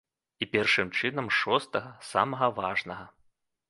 І, першым чынам, шостага, самага важнага.